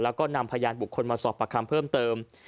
แล้วก็นำพยานบุคคลมาสอบประคำเพิ่มเติม